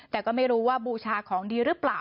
แต่ก็ไม่รู้ว่าบูชาของดีหรือเปล่า